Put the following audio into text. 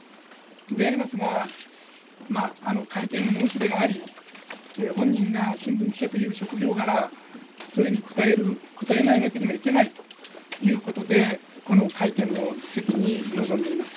でありますが会見の申し出があり本人が新聞記者という職業柄それに応えないわけにはいけないということでこの会見の席に臨んでいます。